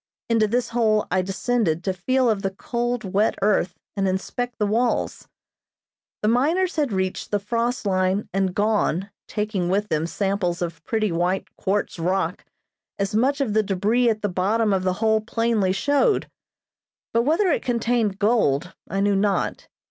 Into this hole I descended to feel of the cold, wet earth and inspect the walls. The miners had reached the frost line and gone, taking with them samples of pretty white quartz rock, as much of the debris at the bottom of the hole plainly showed, but whether it contained gold I knew not.